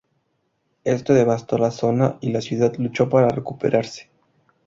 Esto devastó la zona y la ciudad luchó para recuperarse.